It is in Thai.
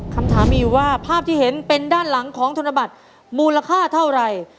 คำถามมีอยู่ว่าภาพที่เห็นเป็นด้านหลังของธนบัตรมูลค่าเท่าไหร่